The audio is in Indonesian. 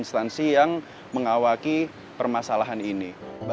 instansi yang mengawaki permasalahan ini